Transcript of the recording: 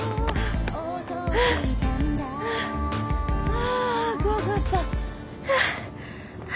あ怖かった。